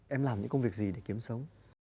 em làm những công việc gì để kiếm sống